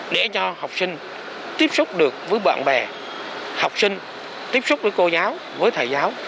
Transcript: để cho học sinh tiếp xúc được với bạn bè học sinh tiếp xúc với cô giáo với thầy giáo